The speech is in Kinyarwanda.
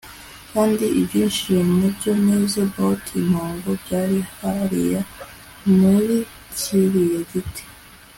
kandi ibyinshi mubyo nize bout impongo byari hariya muri kiriya giti